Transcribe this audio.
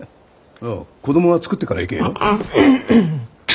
ああ子供は作ってから行けよ。